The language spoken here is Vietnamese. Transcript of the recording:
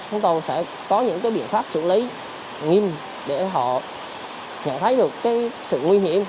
chúng tôi sẽ có những biện pháp xử lý nghiêm để họ nhận thấy được sự nguy hiểm